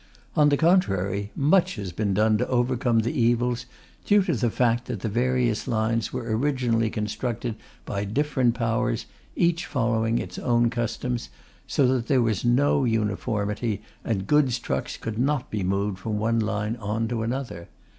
On the contrary, much has been done to overcome the evils due to the fact that the various lines were originally constructed by different Powers, each following its own customs, so that there was no uniformity, and goods trucks could not be moved from one line on to another.